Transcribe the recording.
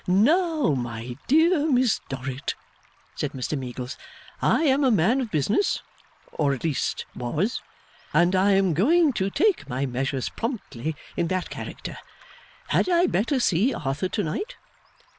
'Now, my dear Miss Dorrit,' said Mr Meagles; 'I am a man of business or at least was and I am going to take my measures promptly, in that character. Had I better see Arthur to night?